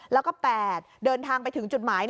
แล้วก็๘เดินทางไปถึงจุดหมาย